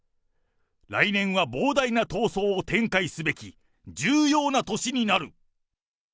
来年は膨大な闘争を展開すべき重要な年になる。